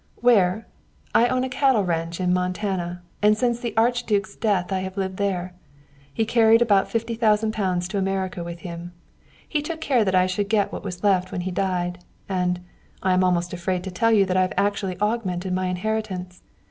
"Where? I own a cattle ranch in Montana and since the Archduke's death I have lived there. He carried about fifty thousand pounds to America with him. He took care that I should get what was left when he died and, I am almost afraid to tell you that I have actually augmented my inheritance!